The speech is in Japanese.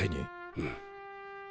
うん。